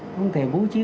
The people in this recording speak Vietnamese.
không thể bố trí